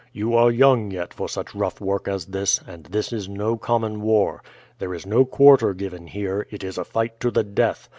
"You are young yet for such rough work as this, and this is no common war. There is no quarter given here, it is a fight to the death.